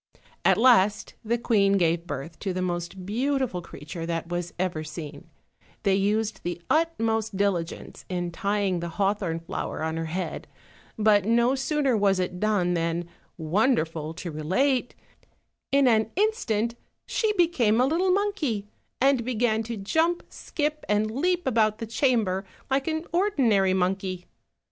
At last the queen gave birth to the most beautiful creature that was ever seen: they used the utmost dili gence in tying the hawthorn flower on her head; but no sooner was it done than, wonderful to relate, in an instant she became a little monkey, and began to jump, skip, and leap about the chamber like an ordinary monkey.